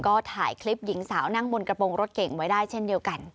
ก็ถ่ายคลิปหญิงสาวนั่งบนกระโปรงรถเก่งไว้ได้เช่นเดียวกัน